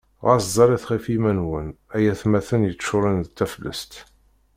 Ɣas ẓallet ɣef yiman-nwen ay atmaten yeččuren d taflest!